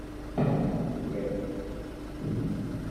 Nga-t.